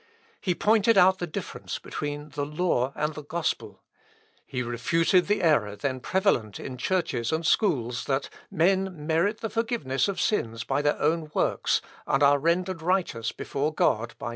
He pointed out the difference between the Law and the Gospel. He refuted the error then prevalent in churches and schools, that men merit the forgiveness of sins by their own works, and are rendered righteous before God by means of external discipline.